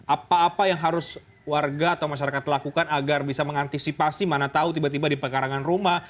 apa apa yang harus warga atau masyarakat lakukan agar bisa mengantisipasi mana tahu tiba tiba di pekarangan rumah